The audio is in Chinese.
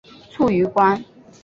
卒于官。